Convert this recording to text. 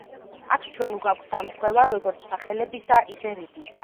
აქ ჩვენ გვაქვს დამთხვევა როგორც სახელებისა, ისე რიგისა.